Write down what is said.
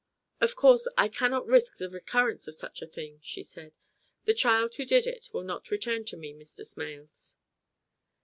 "Of course I cannot risk the recurrence of such a thing," she said. "The child who did it will not return to me, Mr. Smales."